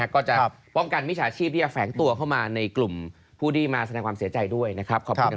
ก็จะป้องกันมิจฉาชีพที่จะแฝงตัวเข้ามาในกลุ่มผู้ที่มาแสดงความเสียใจด้วยนะครับขอบคุณครับ